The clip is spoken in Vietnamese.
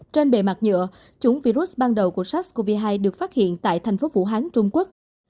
trên bề mặt nhựa chúng virus ban đầu của sars cov hai được phát hiện tại thành phố vũ hán trung quốc